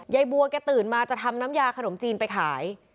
ยายบัวแกตื่นมาจะทำน้ำยาขนมจีนไปขาย